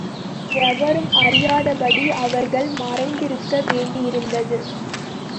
எவரும் அறியாதபடி அவர்கள் மறைந்திருக்க வேண்டியிருந்தது.